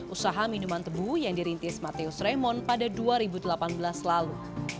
usaha minuman tebu yang dirintis mateus raymond pada dua ribu delapan belas lalu